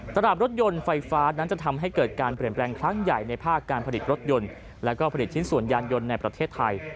ตลาดรถยนต์ไฟฟ้านั้นจะทำให้เกิดการเปลี่ยนแปลงครั้งใหญ่ในภาคการผลิตรถยนต์และก็ผลิตชิ้นส่วนยานยนต์ในประเทศไทย